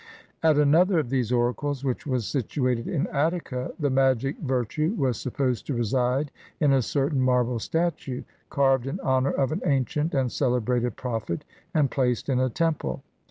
At another of these oracles, which was situated in Attica, the magic virtue was supposed to reside in a certain marble statue, carved in honor of an ancient and celebrated prophet, and placed in a temple.